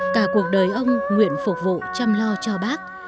cả cuộc đời ông nguyện phục vụ chăm lo cho bác